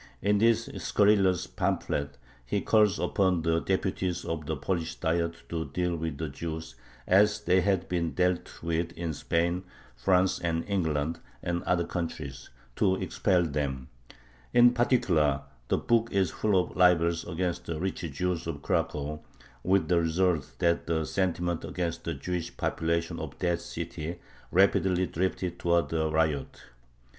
In this scurrilous pamphlet he calls upon the deputies of the Polish Diet to deal with the Jews as they had been dealt with in Spain, France, England, and other countries to expel them. In particular, the book is full of libels against the rich Jews of Cracow, with the result that the sentiment against the Jewish population of that city rapidly drifted towards a riot.